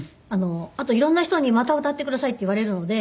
あと色んな人に「また歌ってください」って言われるので。